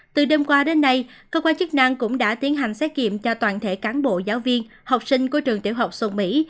từ đêm qua đến nay cơ quan chức năng cũng đã tiến hành xét kiểm cho toàn thể cán bộ giáo viên học sinh của trường tiểu học sông mỹ